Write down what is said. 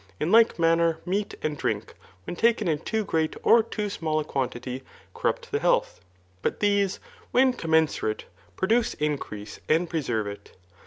In like manner meat and drinks when taken in too great or too small a quantity, corrupt the health ; but these, when commensurate, produce in crease, and preserve it.